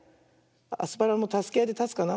アスパラもたすけあいでたつかな。